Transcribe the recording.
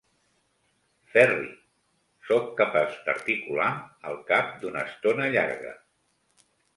Ferri! –sóc capaç d'articular al cap d'una estona llarga–.